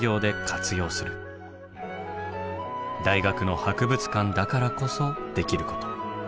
大学の博物館だからこそできること。